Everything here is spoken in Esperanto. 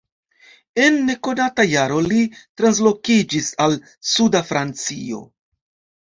En nekonata jaro li translokiĝis al suda Francio.